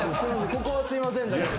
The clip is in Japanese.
ここはすいません。